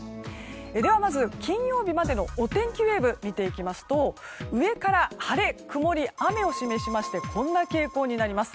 ではまず、金曜日までのお天気ウェーブ見ていきますと上から晴れ、曇り雨を示しましてこんな傾向になります。